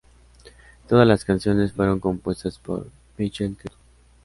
Todas las canciones fueron compuestas por Michael Cretu.